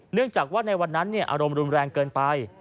เนื่องจากว่าในวันนั้นอารมณ์รุนแรงเกินไป